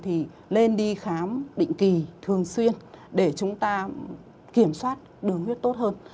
thì lên đi khám định kỳ thường xuyên để chúng ta kiểm soát đường huyết tốt hơn